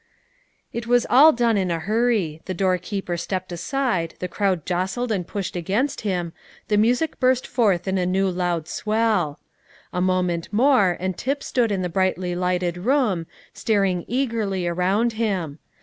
It was all done in a hurry; the doorkeeper stepped aside, the crowd jostled and pushed against him, the music burst forth in a new loud swell. A moment more, and Tip stood in the brightly lighted room, staring eagerly around him.